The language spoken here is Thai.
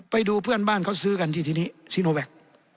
ไปดูเพื่อนบ้านเขาซื้อกันที่ทีนี้ซีโนแวค